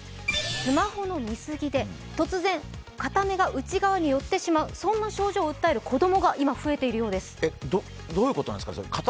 スマホの身過ぎで突然、片目が内側に寄ってしまうそんな症状を訴える子供が今、増えているようです。